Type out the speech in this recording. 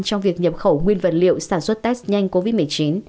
trong việc nhập khẩu nguyên vật liệu sản xuất test nhanh covid một mươi chín